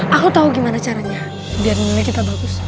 aku tahu gimana caranya biar nilai kita bagus